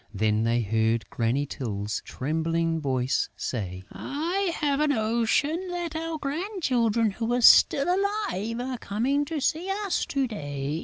Then they heard Granny Tyl's trembling voice say: "I have a notion that our grandchildren who are still alive are coming to see us to day."